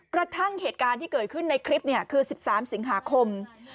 กระทั่งเหตุการณ์ที่เกิดขึ้นในคลิปคือ๑๓สิงหาคม